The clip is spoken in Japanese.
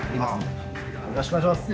よろしくお願いします。